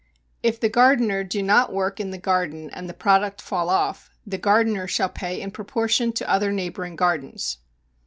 If the gardener do not work in the garden and the product fall off, the gardener shall pay in proportion to other neighboring gardens.